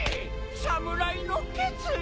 侍の決意？